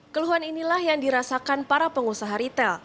keluhan inilah yang dirasakan para pengusaha retail